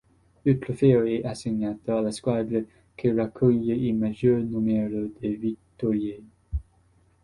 Il trofeo è assegnato alla squadra che raccoglie il maggior numero di vittorie.